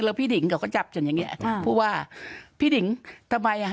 แล้วพี่ดิ่งเขาก็จับจนอย่างเงี้พูดว่าพี่ดิงทำไมอ่ะ